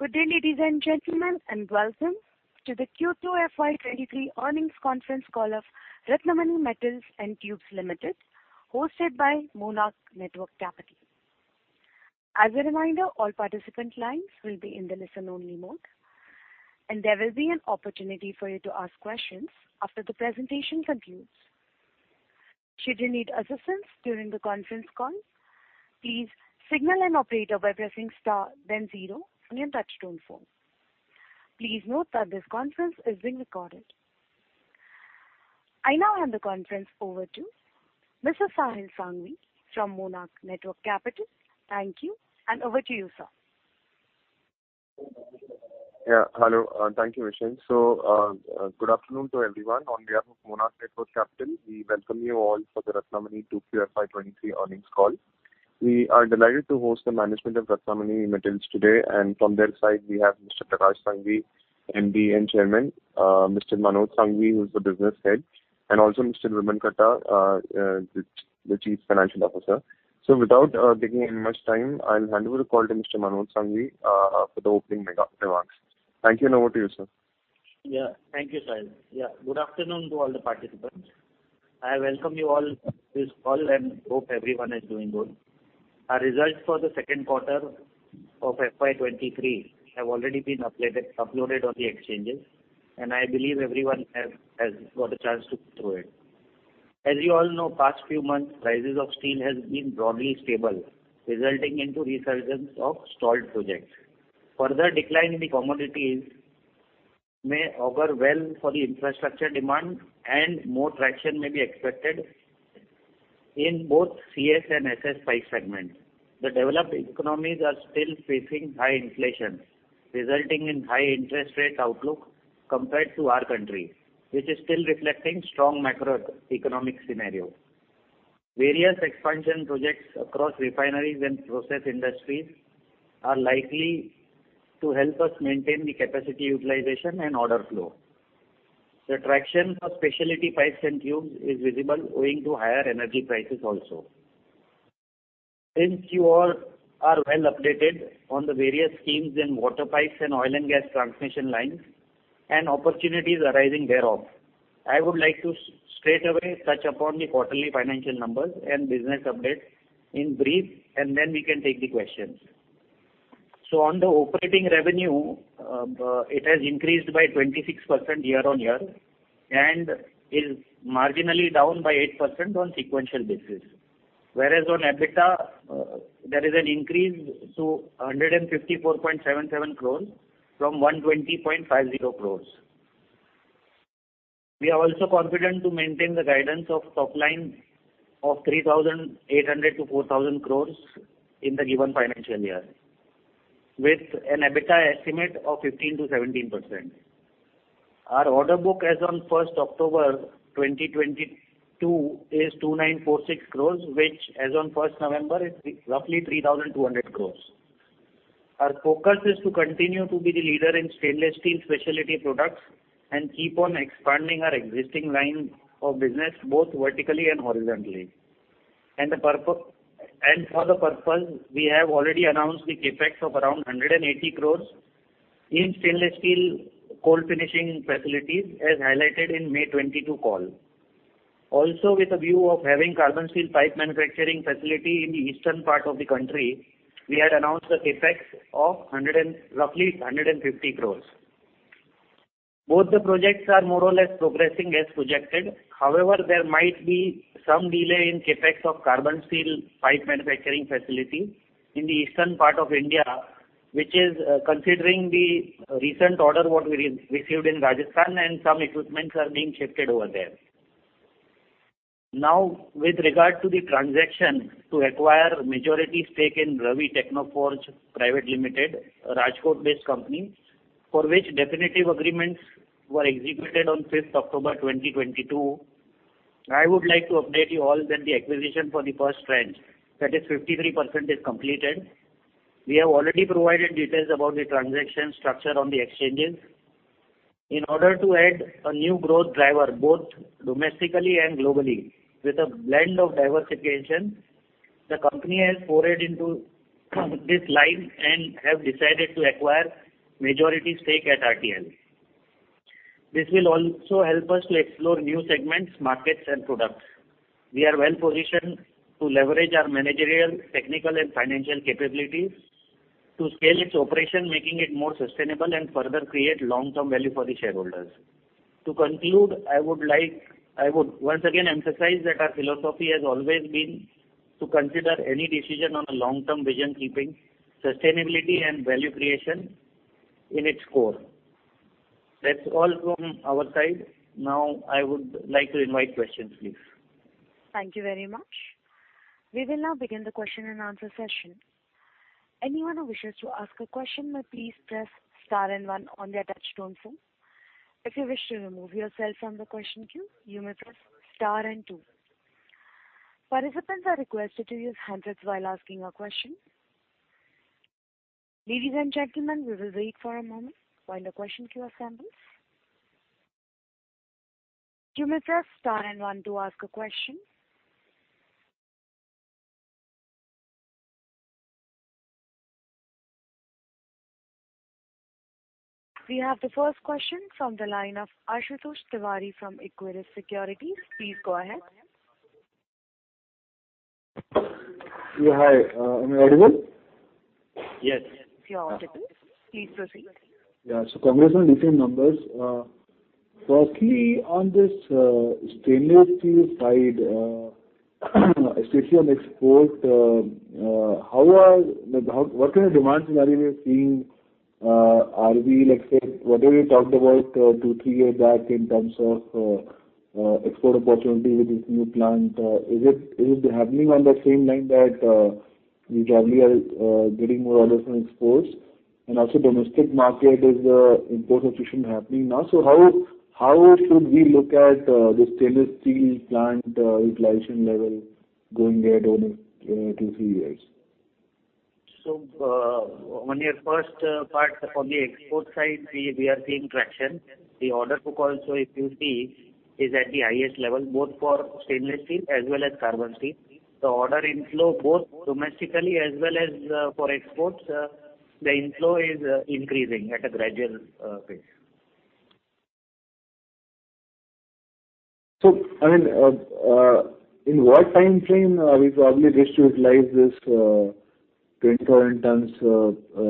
Good day, ladies and gentlemen, and welcome to the Q2 FY 2023 Earnings Conference Call of Ratnamani Metals and Tubes Limited, hosted by Monarch Networth Capital. As a reminder, all participant lines will be in the listen-only mode, and there will be an opportunity for you to ask questions after the presentation concludes. Should you need assistance during the conference call, please signal an operator by pressing star then zero on your touch-tone phone. Please note that this conference is being recorded. I now hand the conference over to Mr. Sahil Sanghvi from Monarch Networth Capital. Thank you, and over to you, sir. Yeah. Hello, thank you, Michelle. So, good afternoon to everyone. On behalf of Monarch Networth Capital, we welcome you all for the Ratnamani 2Q FY 2023 earnings call. We are delighted to host the management of Ratnamani Metals today, and from their side, we have Mr. Prakash Sanghvi, MD and Chairman, Mr. Manoj Sanghvi, who is the Business Head, and also Mr. Vimal Katta, the Chief Financial Officer. So without taking any much time, I'll hand over the call to Mr. Manoj Sanghvi, for the opening remarks. Thank you, and over to you, sir. Yeah. Thank you, Sahil. Yeah, good afternoon to all the participants. I welcome you all to this call and hope everyone is doing good. Our results for the second quarter of FY 2023 have already been uploaded, uploaded on the exchanges, and I believe everyone has, has got a chance to go through it. As you all know, past few months, prices of steel has been broadly stable, resulting into resurgence of stalled projects. Further decline in the commodities may augur well for the infrastructure demand, and more traction may be expected in both CS and SS pipe segments. The developed economies are still facing high inflation, resulting in high interest rate outlook compared to our country, which is still reflecting strong macroeconomic scenario. Various expansion projects across refineries and process industries are likely to help us maintain the capacity, utilization, and order flow. The traction for Specialty Pipes and Tubes is visible owing to higher energy prices also. Since you all are well updated on the various schemes in Water Pipes and Oil & Gas Transmission Lines and opportunities arising thereof, I would like to straightaway touch upon the quarterly financial numbers and business update in brief, and then we can take the questions. So on the operating revenue, it has increased by 26% year-on-year and is marginally down by 8% on sequential basis. Whereas on EBITDA, there is an increase to 154.77 crore from 120.50 crore. We are also confident to maintain the guidance of top line of 3,800 crore-4,000 crore in the given financial year, with an EBITDA estimate of 15%-17%. Our order book as on 1st October 2022 is 2,946 crores, which as on 1st November is roughly 3,200 crores. Our focus is to continue to be the leader in Stainless Steel Specialty Products and keep on expanding our existing lines of business, both vertically and horizontally. And for the purpose, we have already announced the CapEx of around 180 crores in Stainless Steel cold finishing facilities, as highlighted in May 2022 call. Also, with a view of having Carbon Steel pipe manufacturing facility in the eastern part of the country, we had announced the CapEx of roughly 150 crores. Both the projects are more or less progressing as projected. However, there might be some delay in CapEx of Carbon Steel pipe manufacturing facility in the eastern part of India, which is, considering the recent order, what we received in Rajasthan, and some equipment are being shifted over there. Now, with regard to the transaction to acquire majority stake in Ravi Technoforge Private Limited, a Rajkot-based company, for which definitive agreements were executed on 5th October 2022, I would like to update you all that the acquisition for the first tranche, that is 53%, is completed. We have already provided details about the transaction structure on the exchanges. In order to add a new growth driver, both domestically and globally, with a blend of diversification, the company has forayed into this line and have decided to acquire majority stake at RTL. This will also help us to explore new segments, markets, and products. We are well positioned to leverage our managerial, technical, and financial capabilities to scale its operation, making it more sustainable and further create long-term value for the shareholders. To conclude, I would like... I would once again emphasize that our philosophy has always been to consider any decision on a long-term vision, keeping sustainability and value creation in its core. That's all from our side. Now, I would like to invite questions, please. Thank you very much. We will now begin the question-and answer-session. Anyone who wishes to ask a question may please press star and one on their touch-tone phone. If you wish to remove yourself from the question queue, you may press star and two. Participants are requested to use headsets while asking a question. Ladies and gentlemen, we will wait for a moment while the question queue assembles.... Do you miss us star and one to ask a question? We have the first question from the line of Ashutosh Tiwari from Equirus Securities. Please go ahead. Yeah, hi, am I audible? Yes. You are audible. Please proceed. Yeah. So congratulations on the numbers. Firstly, on this Stainless Steel side, especially on export, how—like, how, what kind of demand scenario we are seeing? Are we like, say, what have you talked about two, three years back in terms of export opportunity with this new plant? Is it, is it happening on the same line that we probably are getting more orders from exports? And also domestic market, is the import substitution happening now. So how, how should we look at the Stainless Steel plant utilization level going ahead over two, three years? So, on your first part, on the export side, we, we are seeing traction. The order book also, if you see, is at the highest level, both for Stainless Steel as well as Carbon Steel. The order inflow, both domestically as well as, for exports, the inflow is increasing at a gradual, pace. So I mean, in what time frame are we probably just to utilize this 24-ton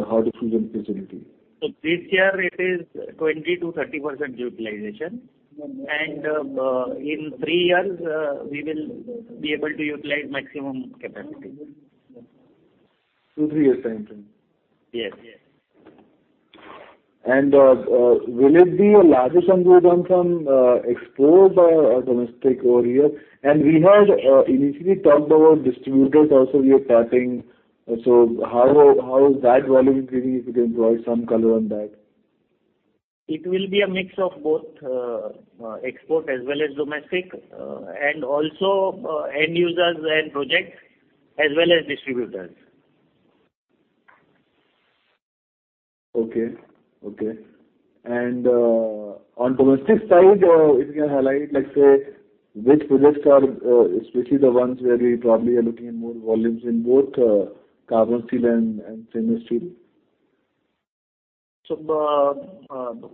Hot Extrusion facility? So this year it is 20%-30% utilization, and in three years we will be able to utilize maximum capacity. two to three years time frame. Yes. Will it be a larger contribution from exports or domestic over here? And we had initially talked about distributors also you are tapping. So how is that volume growing, if you can throw some color on that? It will be a mix of both, export as well as domestic, and also, end users and projects as well as distributors. Okay, okay. And, on domestic side, if you can highlight, let's say, which projects are, especially the ones where we probably are looking at more volumes in both, Carbon Steel and, and Stainless Steel. So,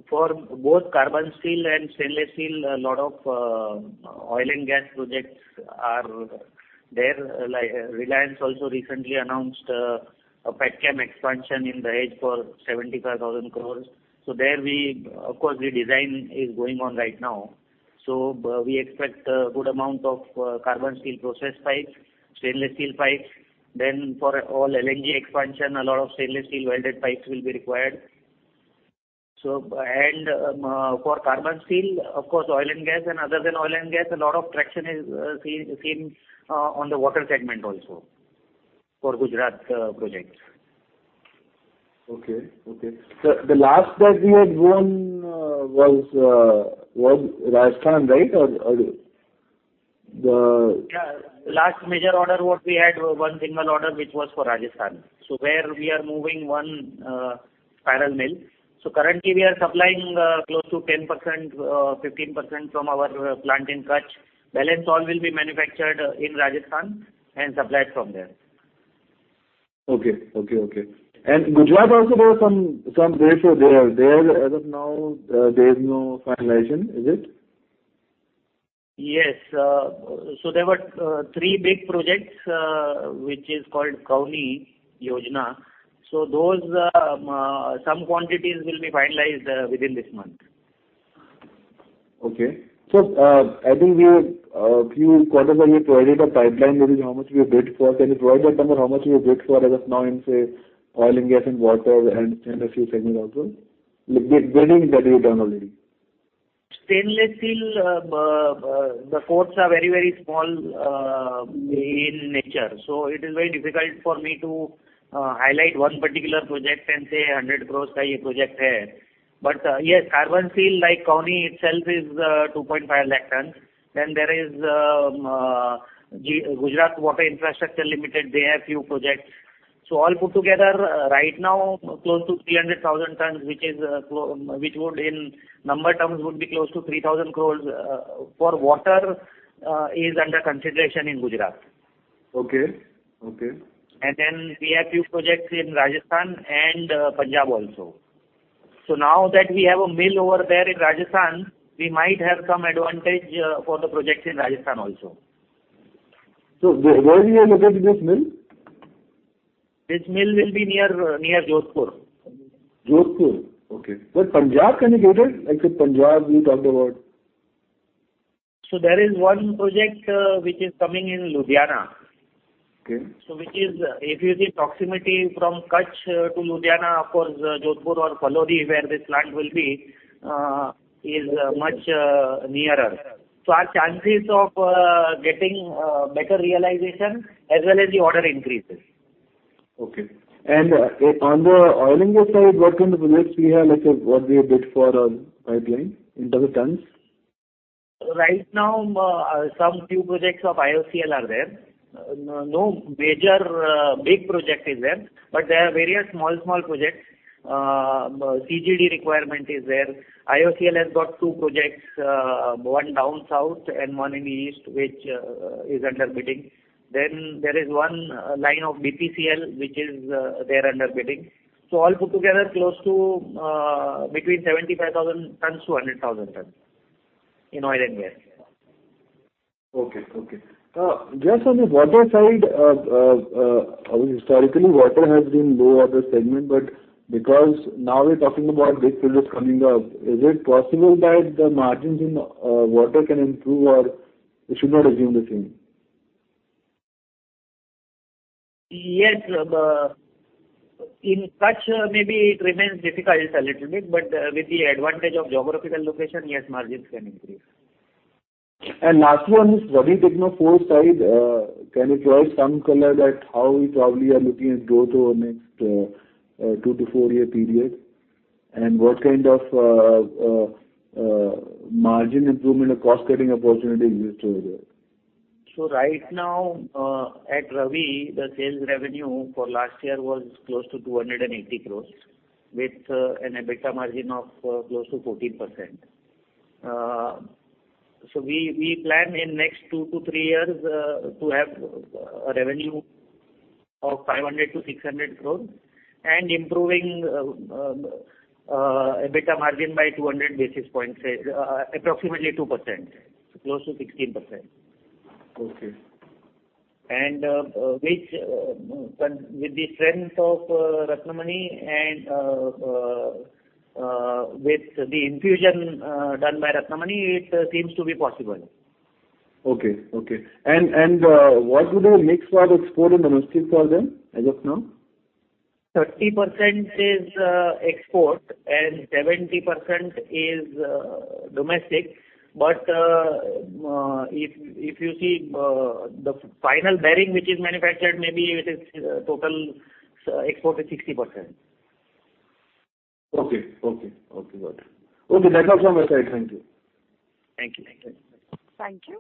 for both Carbon Steel and Stainless Steel, a lot of Oil & Gas projects are there. Like, Reliance also recently announced a petchem expansion in Dahej for 75,000 crore. So there we, of course, the design is going on right now. So we expect a good amount of Carbon Steel Process Pipes, Stainless Steel Pipes. Then for all LNG expansion, a lot of Stainless Steel Welded Pipes will be required. So, and for Carbon Steel, of course, Oil & Gas, and other than Oil & Gas, a lot of traction is seen on the Water segment also for Gujarat projects. Okay, okay. The last that we had won was Rajasthan, right? Or the- Yeah. Last major order what we had was one single order, which was for Rajasthan. So where we are moving one Spiral Mill. So currently, we are supplying close to 10%, 15% from our plant in Kutch. Balance all will be manufactured in Rajasthan and supplied from there. Okay, okay, okay. And Gujarat also there are some ratio there. There, as of now, there is no finalization, is it? Yes. So there were three big projects, which is called SAUNI Yojana. So those some quantities will be finalized within this month. Okay. So, I think we, few quarters back, you provided a pipeline, which is how much we bid for. Can you provide that number, how much we bid for as of now in, say, Oil & Gas and Water and, and a few segments also? The bidding that you've done already. Stainless Steel, the ports are very, very small, in nature, so it is very difficult for me to highlight one particular project and say, 100 crore project. But yes, Carbon Steel, like SAUNI itself, is 2.5 lakh tons. Then there is Gujarat Water Infrastructure Limited, they have few projects. So all put together, right now, close to 300,000 tons, which is, which would in number terms, would be close to 3,000 crore, for Water, is under consideration in Gujarat. Okay, okay. Then we have few projects in Rajasthan and Punjab also. Now that we have a mill over there in Rajasthan, we might have some advantage for the projects in Rajasthan also. So where we are located this mill? This mill will be near Jodhpur. Jodhpur? Okay. But Punjab, can you get it? Like say, Punjab, we talked about. There is one project, which is coming in Ludhiana. Okay. So which is, if you see proximity from Kutch to Ludhiana, of course, Jodhpur or Phalodi, where this plant will be, is much nearer. So our chances of getting better realization as well as the order increases. Okay. On the Oil & Gas side, what kind of projects we have, like, what we have bid for a pipeline in terms of tons? Right now, some few projects of IOCL are there. No, no major, big project is there, but there are various small, small projects. CGD requirement is there. IOCL has got two projects, one down south and one in the east, which is under bidding. Then there is one line of BPCL, which is there under bidding. So all put together, close to between 75,000 tons to 100,000 tons in Oil & Gas. Okay, okay. Just on the Water side, historically, Water has been low order segment, but because now we're talking about big projects coming up, is it possible that the margins in Water can improve, or we should not assume the same? Yes, in such, maybe it remains difficult a little bit, but with the advantage of geographical location, yes, margins can improve. And lastly, on this Ravi Technoforge side, can you throw some color at how we probably are looking at growth over the next, two to three year period? And what kind of, margin improvement or cost-cutting opportunity exists over there? Right now, at Ravi, the sales revenue for last year was close to 280 crore, with an EBITDA margin of close to 14%. We plan in next two to three years to have a revenue of 500-600 crore and improving EBITDA margin by 200 basis points, approximately 2%, close to 16%. Okay. With the strength of Ratnamani and with the infusion done by Ratnamani, it seems to be possible. Okay, okay. And, what would the mix for export and domestic for them as of now? 30% is export and 70% is domestic. But if you see the final bearing which is manufactured, maybe it is total export is 60%. Okay. Okay, okay, got it. Okay, that's all from my side. Thank you. Thank you. Thank you. Thank you.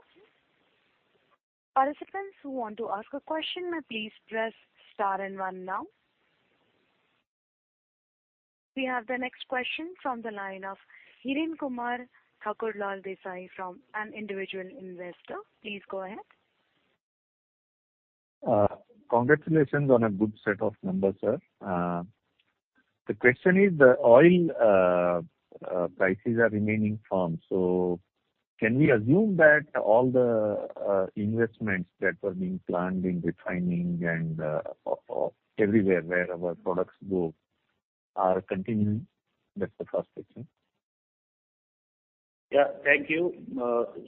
Participants who want to ask a question, may please press star and one now. We have the next question from the line of Hiren Kumar Thakurlal Desai from an individual investor. Please go ahead. Congratulations on a good set of numbers, sir. The question is, the oil prices are remaining firm, so can we assume that all the investments that were being planned in refining and everywhere where our products go are continuing? That's the first question. Yeah. Thank you.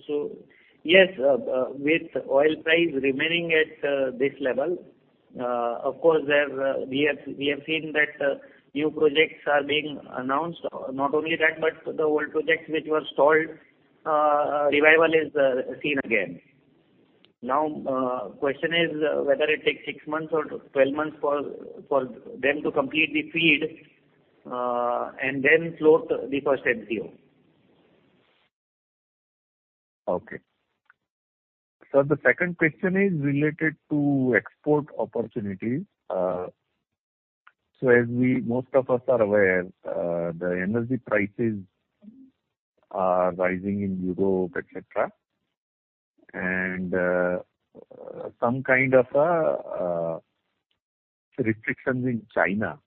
So yes, with oil price remaining at this level, of course, there we have, we have seen that new projects are being announced. Not only that, but the old projects which were stalled, revival is seen again. Now, question is, whether it takes six months or 12 months for them to complete the FEED, and then float the first NCO. Okay. Sir, the second question is related to export opportunities. So as we, most of us are aware, the energy prices are rising in Europe, et cetera, and some kind of restrictions in China.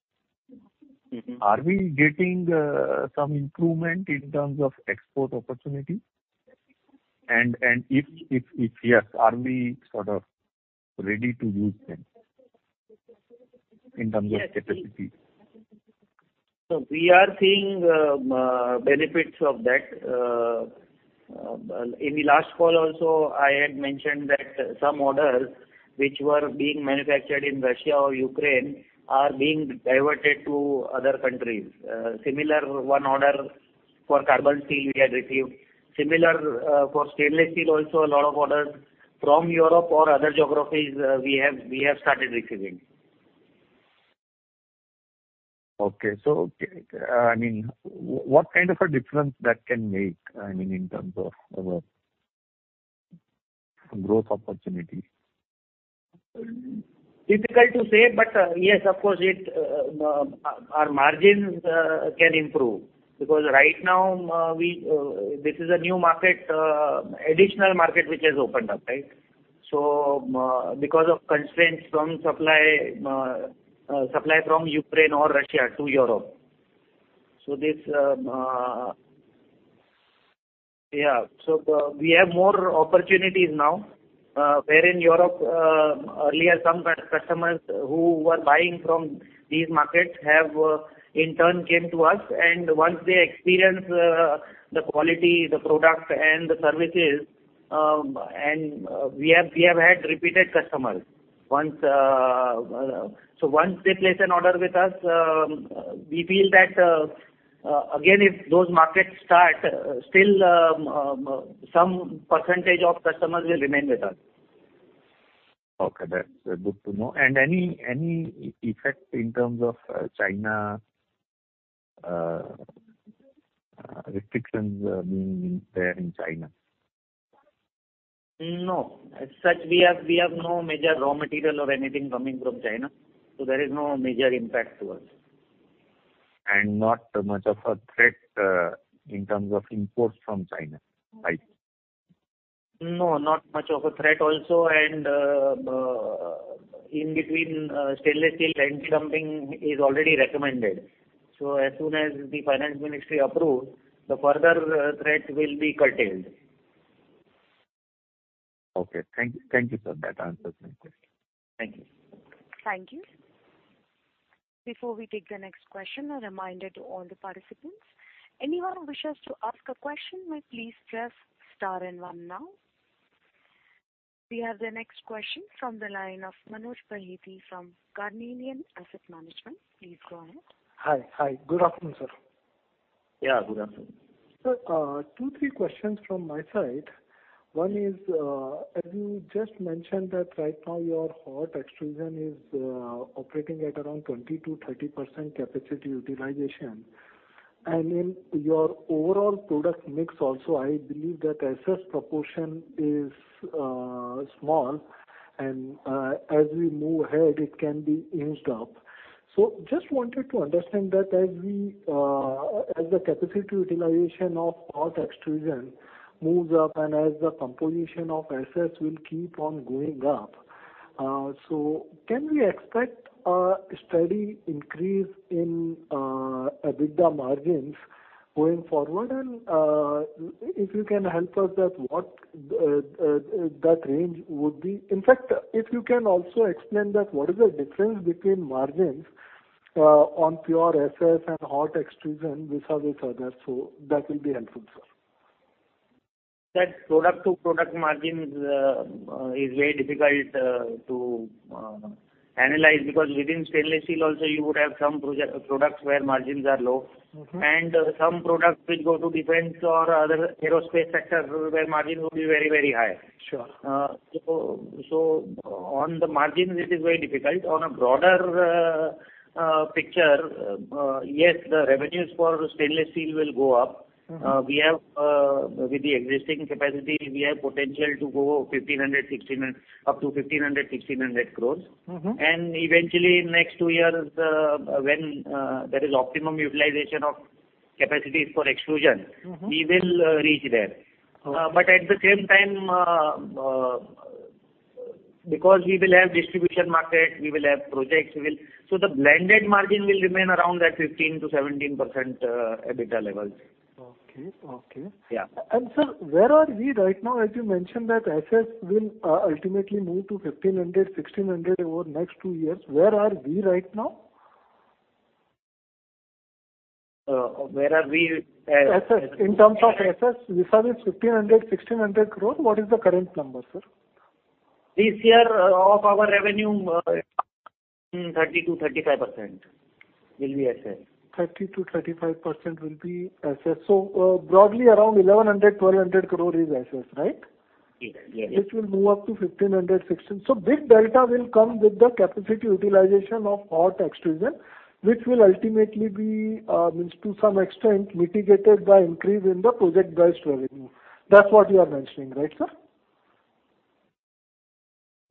Mm-hmm. Are we getting some improvement in terms of export opportunity? And if yes, are we sort of ready to use them in terms of capacity? So we are seeing benefits of that. In the last call also, I had mentioned that some orders which were being manufactured in Russia or Ukraine are being diverted to other countries. Similar one order for carbon steel we had received. Similar, for stainless steel, also a lot of orders from Europe or other geographies, we have, we have started receiving. Okay. So, I mean, what kind of a difference that can make, I mean, in terms of, growth opportunity? Difficult to say, but yes, of course, it our margins can improve. Because right now, we this is a new market, additional market which has opened up, right? So because of constraints from supply, supply from Ukraine or Russia to Europe. So this. Yeah, so, we have more opportunities now, where in Europe, earlier, some customers who were buying from these markets have, in turn, came to us. And once they experience, the quality, the product and the services, and, we have had repeated customers. Once. So once they place an order with us, we feel that, again, if those markets start, still, some percentage of customers will remain with us. Okay, that's good to know. And any effect in terms of China restrictions being there in China? ...No, as such, we have no major raw material or anything coming from China, so there is no major impact to us. Not much of a threat in terms of imports from China, right? No, not much of a threat also, and in between, stainless steel anti-dumping is already recommended. So as soon as the Finance Ministry approves, the further threat will be curtailed. Okay. Thank you, thank you, sir. That answers my question. Thank you. Thank you. Before we take the next question, a reminder to all the participants, anyone who wishes to ask a question may please press star and one now. We have the next question from the line of Manoj Bahety from Carnelian Asset Management. Please go ahead. Hi, hi. Good afternoon, sir. Yeah, good afternoon. Sir, two, three questions from my side. One is, as you just mentioned that right now Hot Extrusion is operating at around 20%-30% capacity utilization. And in your overall product mix also, I believe that SS proportion is small, and as we move ahead, it can be inched up. So just wanted to understand that as we, as the capacity utilization Hot Extrusion moves up and as the composition of SS will keep on going up, so can we expect a steady increase in EBITDA margins going forward? And if you can help us with what that range would be? In fact, if you can also explain that, what is the difference between margins on pure SS Hot Extrusion vis-a-vis each other. So that will be helpful, sir. That product-to-product margins is very difficult to analyze, because within Stainless Steel also, you would have some products where margins are low- Mm-hmm. and some products which go to defense or other Aerospace sectors, where margins will be very, very high. Sure. So, on the margins, it is very difficult. On a broader picture, yes, the revenues for Stainless Steel will go up. Mm-hmm. We have, with the existing capacity, we have potential to go up to 1,500 crore-1,600 crore. Mm-hmm. Eventually, in next two years, when there is optimum utilization of capacities for extrusion- Mm-hmm. We will reach there. Okay. But at the same time, because we will have distribution market, we will have projects. So the blended margin will remain around that 15%-17% EBITDA levels. Okay, okay. Yeah. Sir, where are we right now? As you mentioned, that SS will ultimately move to 1,500-1,600 over the next two years. Where are we right now? Where are we? SS, in terms of SS, vis-a-vis 1,500 crore-1,600 crore, what is the current number, sir? This year, of our revenue, 30%-35% will be SS. 30%-35% will be SS. So, broadly, around 1,100-1,200 crore is SS, right? Yes, yes. Which will move up to 1,500 crore-1,600 crore. So this delta will come with the capacity utilization Hot Extrusion, which will ultimately be, means to some extent, mitigated by increase in the project-based revenue. That's what you are mentioning, right, sir?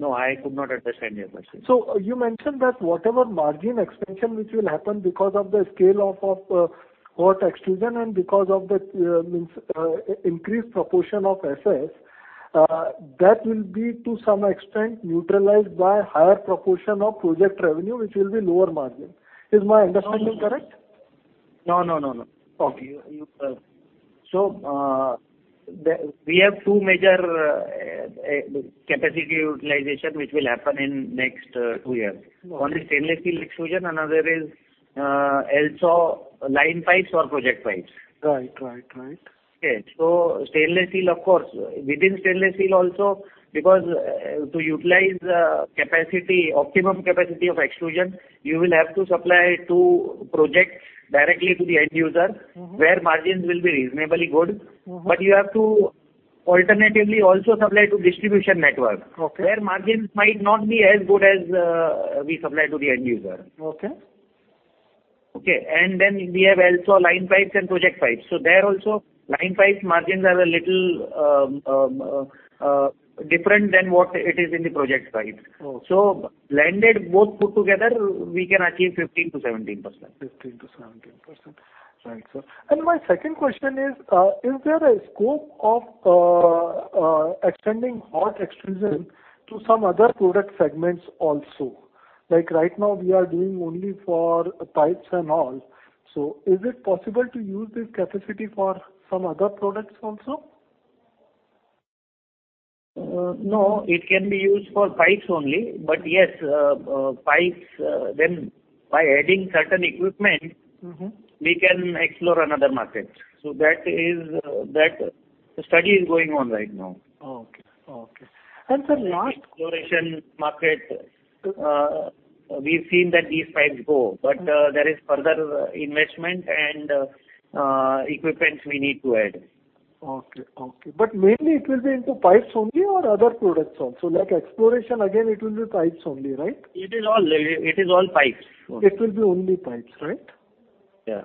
No, I could not understand your question. So you mentioned that whatever margin expansion which will happen because of the scale-up Hot Extrusion and because of the increased proportion of SS, that will be to some extent neutralized by higher proportion of project revenue, which will be lower margin. Is my understanding correct? No, no, no, no. Okay. You, We have two major capacity utilization, which will happen in next two years. Okay. One is Stainless Steel Extrusion, another is also line pipes or project pipes. Right, right, right. Okay. So Stainless Steel, of course, within Stainless Steel also, because to utilize capacity, optimum capacity of extrusion, you will have to supply to project directly to the end user- Mm-hmm. where margins will be reasonably good. Mm-hmm. But you have to alternatively also supply to distribution network- Okay. -where margins might not be as good as we supply to the end user. Okay. Okay. And then we have also line pipes and project pipes. So there also, line pipes margins are a little different than what it is in the project pipes. Okay. So blended, both put together, we can achieve 15%-17%. 15%-17%. Right, sir. And my second question is, is there a scope of Hot Extrusion to some other product segments also? Like right now, we are doing only for pipes and all. So is it possible to use this capacity for some other products also? No, it can be used for pipes only. But yes, pipes, then by adding certain equipment- Mm-hmm. We can explore another market. So that is, that study is going on right now. Okay, okay. And sir, last- Exploration market, we've seen that these pipes go, but there is further investment and equipment we need to add. Okay, okay. But mainly it will be into pipes only or other products also? Like exploration, again, it will be pipes only, right? It is all, it is all pipes. It will be only pipes, right? Yeah.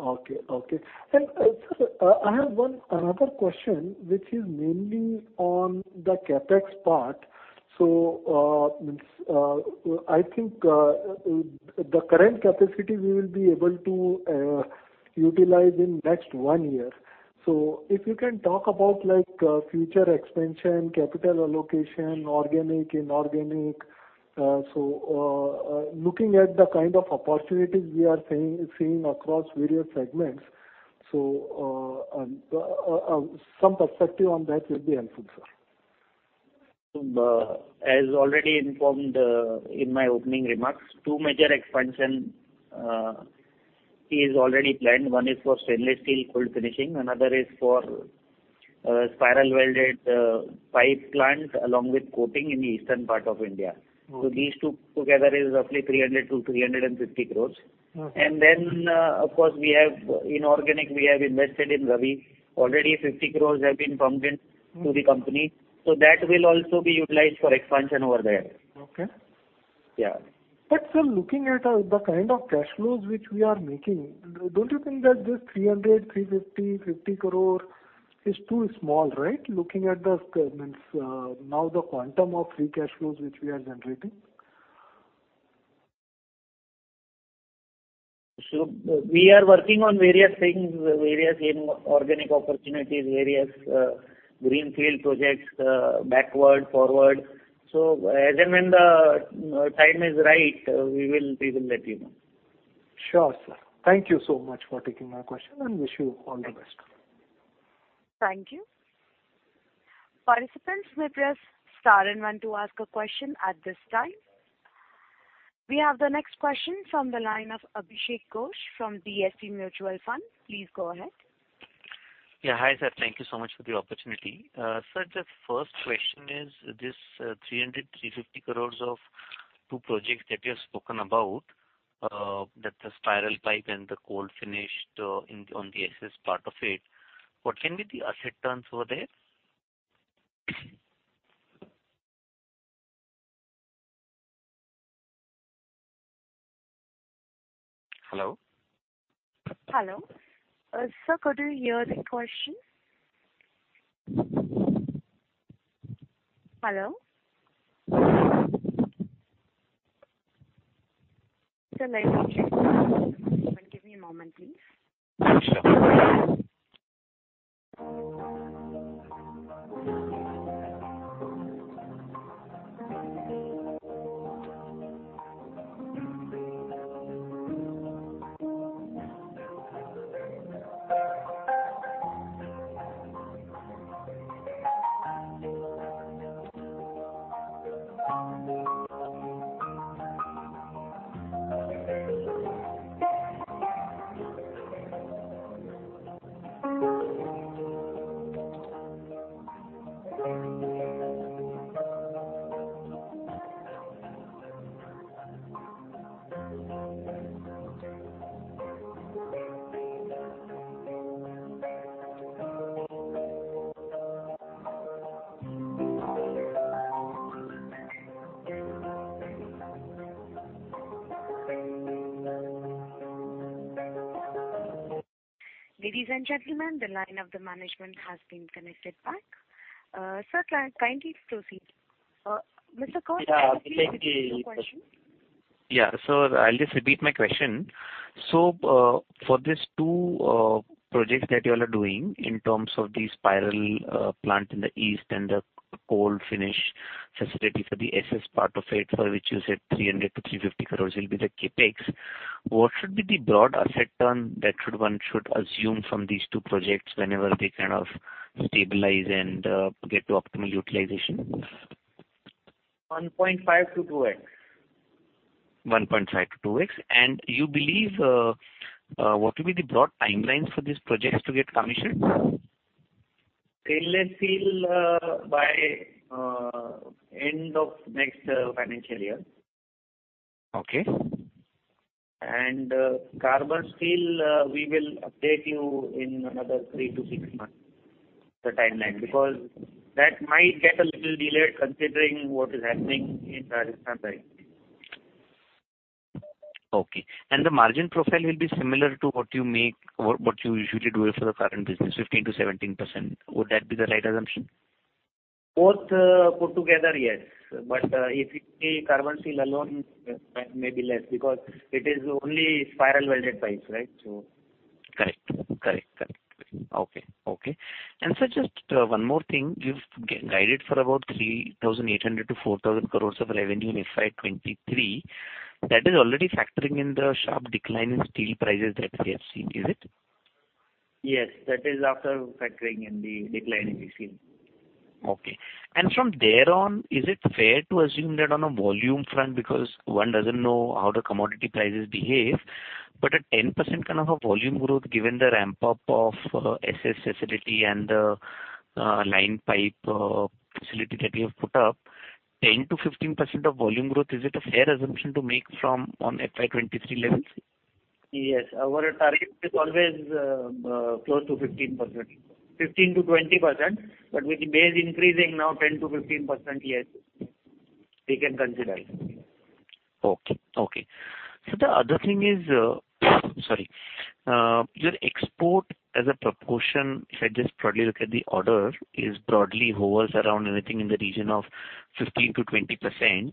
Okay, okay. And, sir, I have one another question, which is mainly on the CapEx part. So, I think the current capacity we will be able to utilize in next one year. So if you can talk about, like, future expansion, capital allocation, organic, inorganic. So, looking at the kind of opportunities we are seeing across various segments, some perspective on that will be helpful, sir. As already informed, in my opening remarks, two major expansion is already planned. One is for stainless steel cold finishing, another is for spiral welded pipe plant, along with coating in the eastern part of India. Okay. These two together is roughly 300 crores-350 crores. Okay. And then, of course, we have inorganic. We have invested in Ravi. Already 50 crore have been pumped in- Mm-hmm. to the company, so that will also be utilized for expansion over there. Okay. Yeah. But sir, looking at the kind of cash flows which we are making, don't you think that this 300, 350, 50 crore is too small, right? Looking at the means now the quantum of free cash flows which we are generating. So we are working on various things, various inorganic opportunities, various greenfield projects, backward, forward. So as and when the time is right, we will, we will let you know. Sure, sir. Thank you so much for taking my question, and wish you all the best. Thank you. Participants may press star and one to ask a question at this time. We have the next question from the line of Abhishek Ghosh from DSP Mutual Fund. Please go ahead. Yeah. Hi, sir. Thank you so much for the opportunity. Sir, the first question is, this, 300-350 crores of two projects that you have spoken about, that the spiral pipe and the cold finish, on the SS part of it, what can be the asset terms over there? Hello? Hello? Sir, could you hear the question? Hello? Sir, let me check. Give me a moment, please. Ladies and gentlemen, the line of the management has been connected back. Sir, kindly proceed. Mr. Ghosh- Yeah, thank you. Can you repeat the question? Yeah. I'll just repeat my question. For these two projects that you all are doing in terms of the spiral plant in the east and the cold finish facility for the SS part of it, for which you said 300 crore-350 crore will be the CapEx, what should be the broad asset turn that should—one should assume from these two projects whenever they kind of stabilize and get to optimal utilization? 1.5x-2x. 1.5-2x. And you believe, what will be the broad timelines for these projects to get commissioned? Stainless Steel, by, end of next, financial year. Okay. Carbon Steel, we will update you in another three to six months, the timeline, because that might get a little delayed, considering what is happening in Rajasthan right now. Okay. The margin profile will be similar to what you make or what you usually do for the current business, 15%-17%. Would that be the right assumption? Both, put together, yes. But, if it's the Carbon Steel alone, that may be less, because it is only spiral welded pipes, right? So... Correct. Correct, correct. Okay, okay. And sir, just, one more thing. You've guided for about 3,800 crore-4,000 crore of revenue in FY 2023. That is already factoring in the sharp decline in steel prices that we have seen. Is it? Yes, that is after factoring in the decline in the steel. Okay. And from there on, is it fair to assume that on a volume front, because one doesn't know how the commodity prices behave, but a 10% kind of a volume growth, given the ramp up of SS facility and the line pipe facility that you have put up, 10%-15% of volume growth, is it a fair assumption to make from on FY 2023 levels? Yes. Our target is always close to 15%. 15%-20%, but with the base increasing now, 10%-15%, yes.... we can consider it. Okay, okay. So the other thing is, sorry, your export as a proportion, if I just broadly look at the order, is broadly hovers around anything in the region of 15%-20%.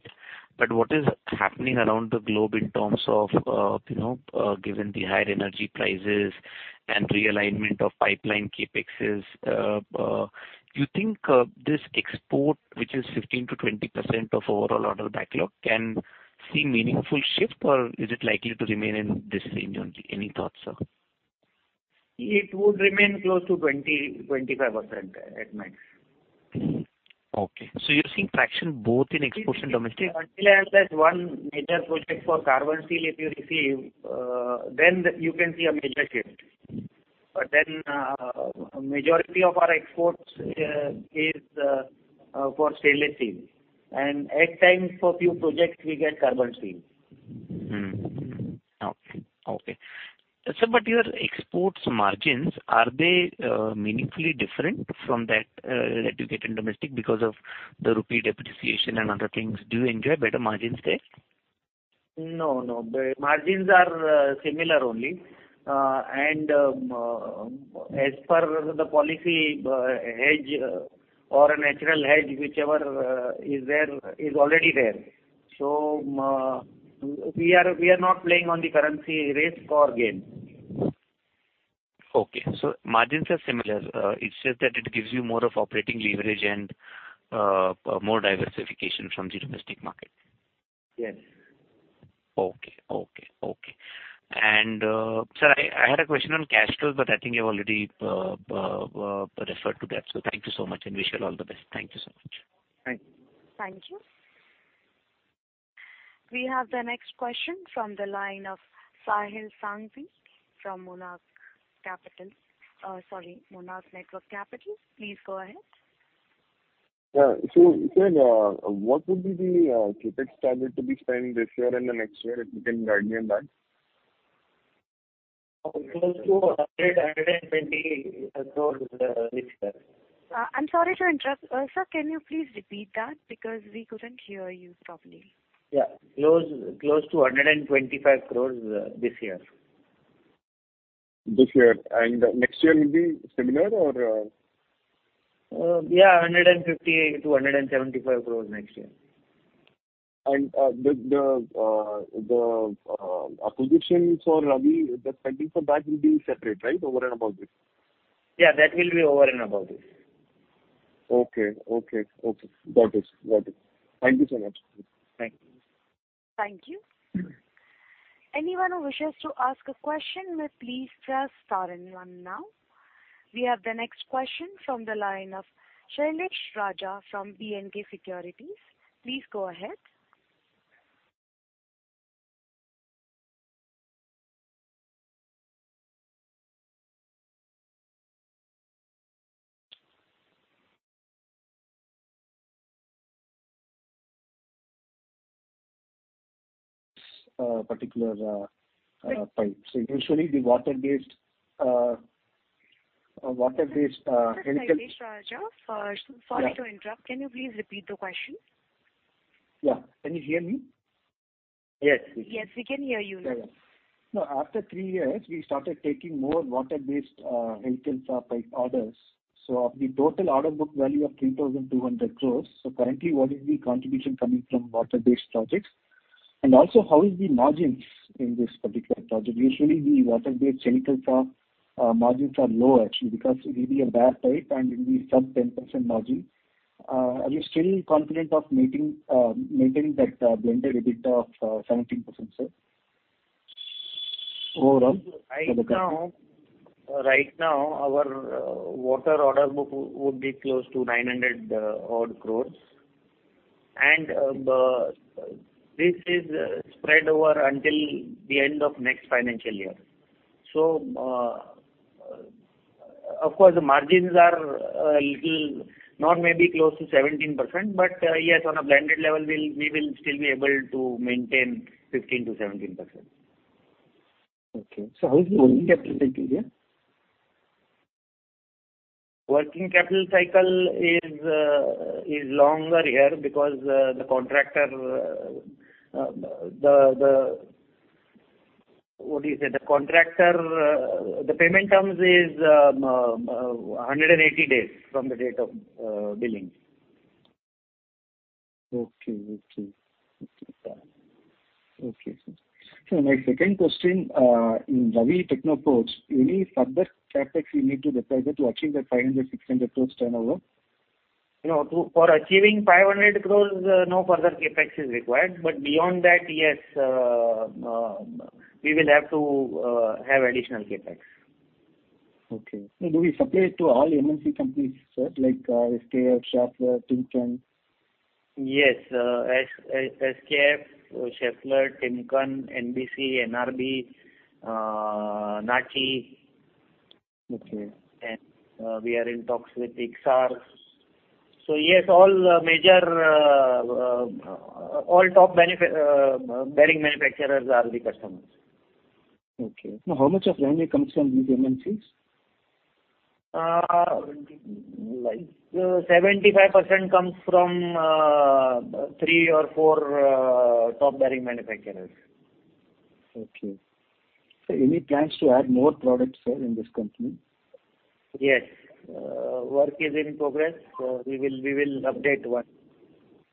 But what is happening around the globe in terms of, you know, given the higher energy prices and realignment of pipeline CapEx, you think, this export, which is 15%-20% of overall order backlog, can see meaningful shift, or is it likely to remain in this range only? Any thoughts, sir? It would remain close to 20-25% at max. Okay. So you're seeing traction both in export and domestic? Until and unless one major project for Carbon Steel, if you receive, then you can see a major shift. But then, majority of our exports is for Stainless Steel. And at times, for few projects, we get Carbon Steel. Okay, okay. Sir, your export margins, are they meaningfully different from that, that you get in domestic because of the rupee depreciation and other things? Do you enjoy better margins there? No, no. The margins are similar only. As per the policy, hedge or a natural hedge, whichever is there, is already there. So, ma, we are not playing on the currency risk or gain. Okay. So margins are similar. It's just that it gives you more of operating leverage and, more diversification from the domestic market. Yes. Okay. Okay, okay. And, sir, I had a question on cash flow, but I think you've already referred to that. So thank you so much, and wish you all the best. Thank you so much. Thank you. Thank you. We have the next question from the line of Sahil Sanghvi from Monarch Capital. Sorry, Monarch Networth Capital. Please go ahead. Yeah. So you said, what would be the CapEx target to be spent this year and the next year? If you can guide me on that. Close to INR 120 crore this year. I'm sorry to interrupt. Sir, can you please repeat that? Because we couldn't hear you properly. Yeah. Close, close to 125 crore this year. This year. And next year will be similar or...? Yeah, 150 crore-175 crore next year. And, the acquisitions for Ravi, the spending for that will be separate, right? Over and above this. Yeah, that will be over and above this. Okay, okay, okay. Got it. Got it. Thank you so much. Thank you. Thank you. Anyone who wishes to ask a question may please press star one now. We have the next question from the line of Sailesh Raja from BNK Securities. Please go ahead. Particular pipe. So usually the water-based chemical- Sailesh Raja Yeah. Sorry to interrupt, can you please repeat the question? Yeah. Can you hear me? Yes, we can. Yes, we can hear you now. No, after three years, we started taking more water-based, chemical pipe orders. So of the total order book value of 3,200 crore, so currently, what is the contribution coming from water-based projects? And also, how is the margins in this particular project? Usually, the water-based chemical stock, margins are low, actually, because it will be a bare pipe and it will be sub-10% margin. Are you still confident of meeting, maintaining that, blended EBITDA of, 17%, sir, overall for the company? Right now, our water order book would be close to 900 odd crore. This is spread over until the end of next financial year. Of course, the margins are little, not maybe close to 17%, but yes, on a blended level, we will still be able to maintain 15%-17%. Okay. So how is the working capital cycle here? Working capital cycle is longer here because the contractor, the payment terms is 180 days from the date of billing. Okay, okay. Okay, fine. Okay, sir. So my second question, in Ravi Technoforge, any further CapEx you need to deposit to achieve that 500-600 crore turnover? No, for achieving 500 crore, no further CapEx is required, but beyond that, yes, we will have to have additional CapEx. Okay. Do we supply to all MNC companies, sir, like SKF, Schaeffler, Timken? Yes, SKF, Schaeffler, Timken, NBC, NRB, Nachi. Okay. We are in talks with IXAR. So yes, all major, all top bearing manufacturers are the customers. Okay. Now, how much of revenue comes from these MNCs?... Like 75% comes from three or four top bearing manufacturers. Okay. So any plans to add more products, sir, in this company? Yes. Work is in progress. We will, we will update once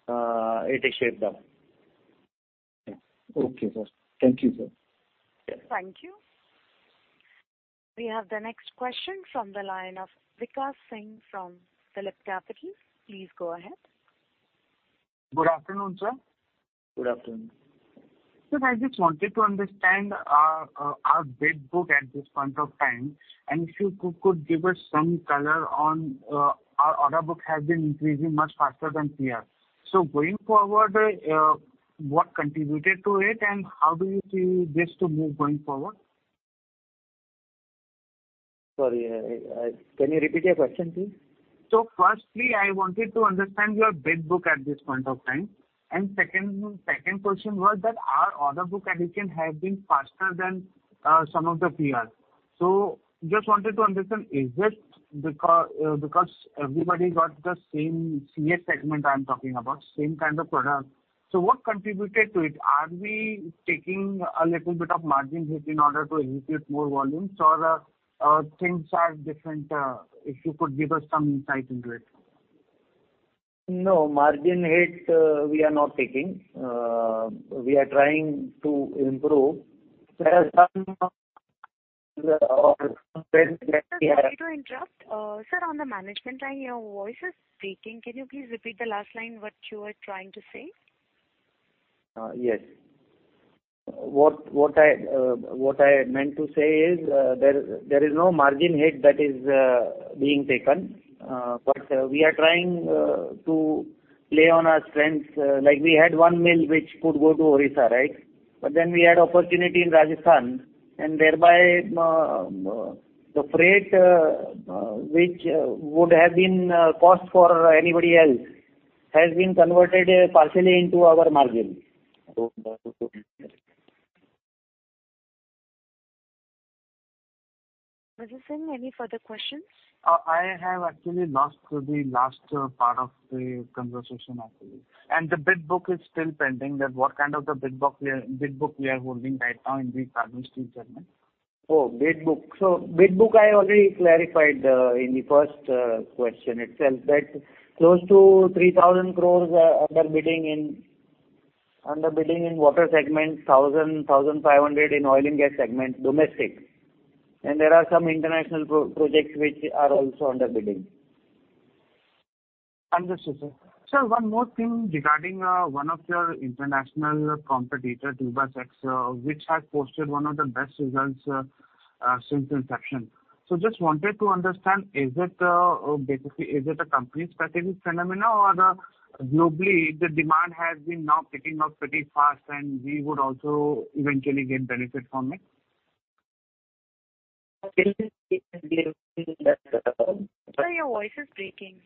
it is shaped up. Okay, sir. Thank you, sir. Thank you. We have the next question from the line of Vikas Singh from Phillip Capital. Please go ahead. Good afternoon, sir. Good afternoon. Sir, I just wanted to understand our bid book at this point of time, and if you could give us some color on our order book has been increasing much faster than PR. So going forward, what contributed to it, and how do you see this to move going forward? Sorry... Can you repeat your question, please? So firstly, I wanted to understand your bid book at this point of time. And second, second question was that our order book execution has been faster than some of the peers. So just wanted to understand, is it because everybody got the same CS segment, I'm talking about, same kind of product. So what contributed to it? Are we taking a little bit of margin hit in order to execute more volumes, or things are different, if you could give us some insight into it? No, margin hit, we are not taking. We are trying to improve. There are some- Sir, sorry to interrupt. Sir, on the management line, your voice is breaking. Can you please repeat the last line, what you were trying to say? Yes. What I meant to say is, there is no margin hit that is being taken. But we are trying to play on our strengths. Like we had one mill which could go to Odisha, right? But then we had opportunity in Rajasthan, and thereby, the freight which would have been cost for anybody else, has been converted partially into our margin. Vikash Singh, any further questions? I have actually lost the last part of the conversation, actually. And the bid book is still pending, that's what kind of bid book we are holding right now in the Carbon Steel segment? Oh, bid book. So bid book, I already clarified in the first question itself, that close to 3,000 crore are under bidding in the Water segment, 1,000 crore, 1,500 crore in Oil & Gas segment, domestic. And there are some international projects which are also under bidding. Understood, sir. Sir, one more thing regarding one of your international competitor, Tubacex, which has posted one of the best results since inception. So just wanted to understand, is it basically, is it a company specific phenomena, or globally, the demand has been now picking up pretty fast, and we would also eventually get benefit from it? Sir, your voice is breaking.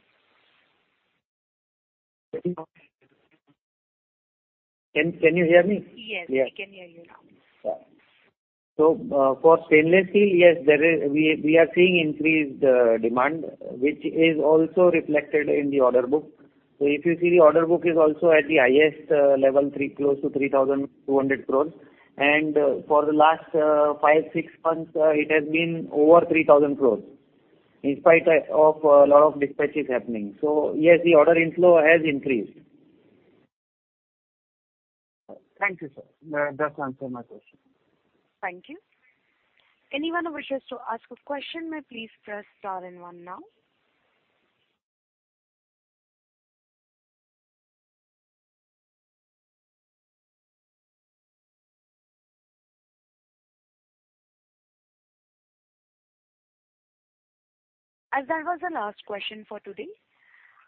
Can you hear me? Yes, we can hear you now. So, for Stainless Steel, yes, there is—we, we are seeing increased demand, which is also reflected in the order book. So if you see, the order book is also at the highest level, close to 3,200 crore. And for the last five, six months, it has been over 3,000 crore, in spite of a lot of dispatches happening. So yes, the order inflow has increased. Thank you, sir. That does answer my question. Thank you. Anyone who wishes to ask a question may please press star and one now. As that was the last question for today,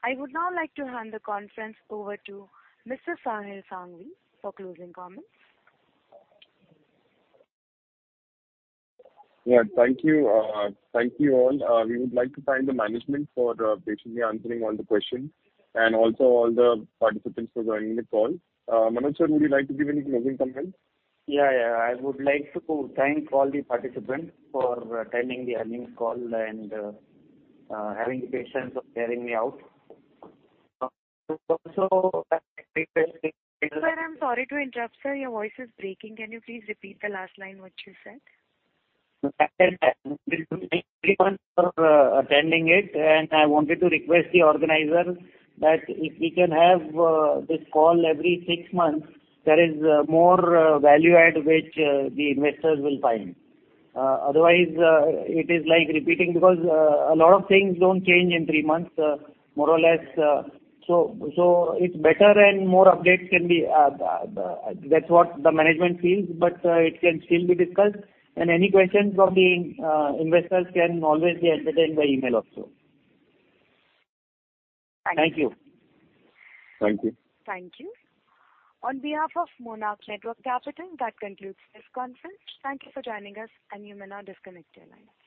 I would now like to hand the conference over to Mr. Sahil Sanghvi for closing comments. Yeah, thank you, thank you all. We would like to thank the management for patiently answering all the questions, and also all the participants for joining the call. Manoj sir, would you like to give any closing comments? Yeah, yeah, I would like to thank all the participants for attending the earnings call, and having the patience of hearing me out. Also, Sir, I'm sorry to interrupt, sir, your voice is breaking. Can you please repeat the last line, what you said? Thank you for attending it, and I wanted to request the organizer that if we can have this call every six months, there is more value add which the investors will find. Otherwise, it is like repeating, because a lot of things don't change in three months, more or less. So it's better and more updates can be, that's what the management feels, but it can still be discussed. And any questions from the investors can always be entertained by email also. Thank you. Thank you. Thank you. On behalf of Monarch Networth Capital, that concludes this conference. Thank you for joining us, and you may now disconnect your line.